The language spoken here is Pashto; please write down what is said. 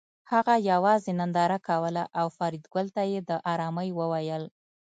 هغه یوازې ننداره کوله او فریدګل ته یې د ارامۍ وویل